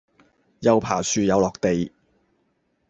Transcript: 又爬樹又落地